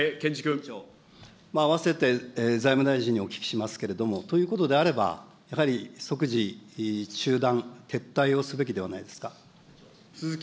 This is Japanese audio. あわせて、財務大臣にお聞きしますけれども、ということであれば、やはり即時中断、撤退をすべきではないですか。